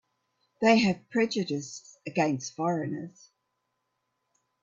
They have prejudices against foreigners.